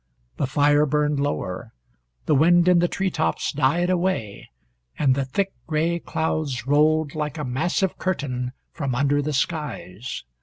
The fire burned lower; the wind in the tree tops died away; and the thick gray clouds rolled like a massive curtain from under the skies.